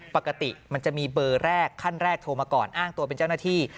ปกติมันจะมีเบอร์แรกขั้นแรกโทรมาก่อนอ้างตัวเป็นเจ้าหน้าที่